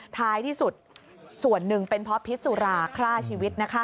ท้ายที่สุดส่วนหนึ่งเป็นเพราะพิษสุราฆ่าชีวิต